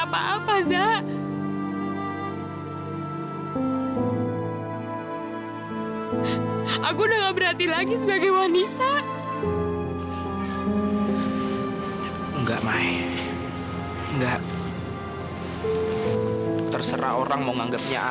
sampai jumpa di video selanjutnya